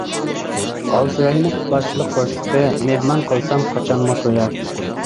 ھالسىرايمەن باشلىق قورسىقى، مېھمان قىلسام قاچانمۇ تويار.